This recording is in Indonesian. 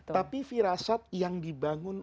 tapi firasat yang dibangun